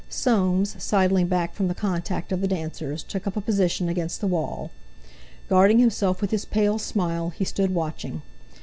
Soames, sidling back from the contact of the dancers, took up a position against the wall. Guarding himself with his pale smile, he stood watching.